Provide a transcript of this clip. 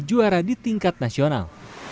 juara di tingkat nasional